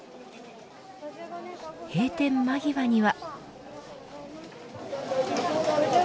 閉店間際には。